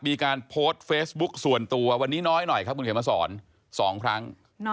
มีการโพสต์เฟซบุ๊คส่วนตัววันนี้น้อยหน่อยครับคุณเขียนมาสอน๒ครั้ง